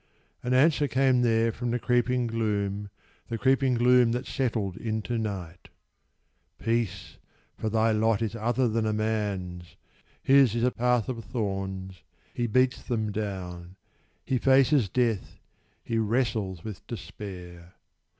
And answer came there from the creeping gloom, The creeping gloom that settled into night: "Peace! For thy lot is other than a man's: His is a path of thorns: he beats them down: He faces death: he wrestles with despair.